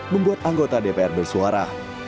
membuat anggota dpr bersuara